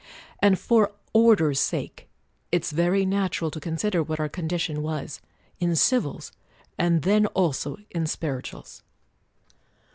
And for order's sake: It's very natural to consider what our condition was, in civils; and then also in spirituals.